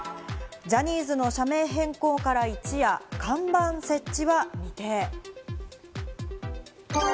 ジャニーズの社名変更から一夜、看板設置は未定。